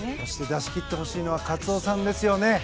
出し切ってほしいのはカツオさんですよね。